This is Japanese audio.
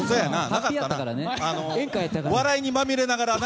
笑いにまみれながらな。